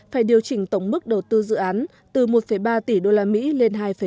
phải điều chỉnh tổng mức đầu tư dự án từ một ba tỷ usd lên hai một mươi chín tỷ usd